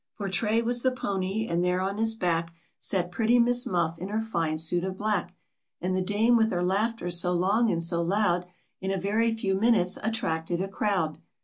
For Tray was the pony; and there on his back, Sat pretty Miss Muff in her fine suit of black; And the Dame with her laughter so long and so loud In a very few moments attracted a crowd.